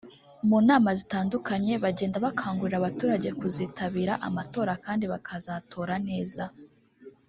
mu nama zitandukanye bagenda bakangurira abaturage kuzitabira amatora kandi bakazatora neza